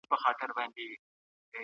ایا واړه پلورونکي خندان پسته اخلي؟